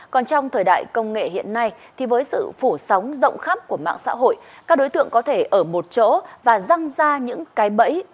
còn trong thời đại công nghệ hiện nay thì với sự phủ sóng rộng khắp của mạng xã hội các đối tượng có thể ở một chỗ và răng ra những cái bẫy